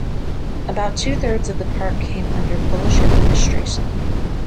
About two thirds of the park came under Polish administration.